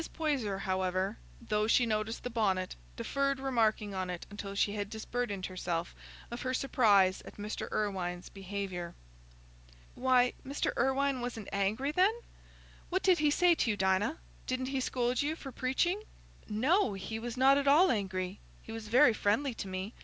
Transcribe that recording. Poyser, however, though she noticed the bonnet, deferred remarking on it until she had disburdened herself of her surprise at Mr. Irwine's behaviour. "Why, Mr. Irwine wasn't angry, then? What did he say to you, Dinah? Didn't he scold you for preaching?" "No, he was not at all angry; he was very friendly to me.